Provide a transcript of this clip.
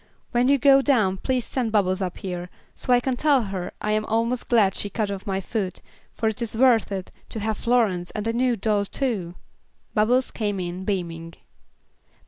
When you go down please send Bubbles up here, so I can tell her I am almost glad she cut my foot, for it is worth it, to have Florence and a new doll too." Bubbles came in beaming.